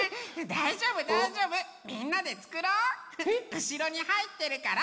うしろにはいってるから。